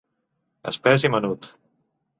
Espès i menut.